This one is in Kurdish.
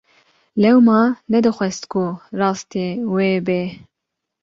Lewma nedixwest ku rastî wê bê.